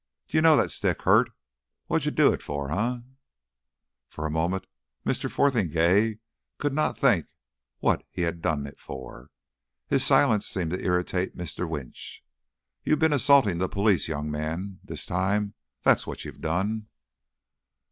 D'yer know that stick hurt? What d'yer do it for, eh?" For the moment Mr. Fotheringay could not think what he had done it for. His silence seemed to irritate Mr. Winch. "You've been assaulting the police, young man, this time. That's what you done."